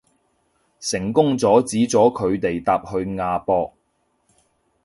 成功阻止咗佢哋搭去亞博